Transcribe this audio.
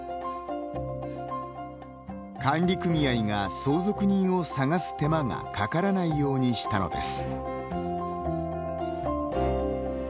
管理組合が、相続人を探す手間がかからないようにしたのです。